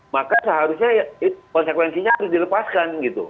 maka seharusnya konsekuensinya harus dilepaskan gitu